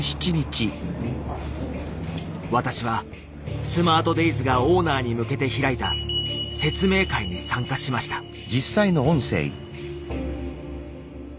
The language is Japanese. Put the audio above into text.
私はスマートデイズがオーナーに向けて開いた説明会に参加しました。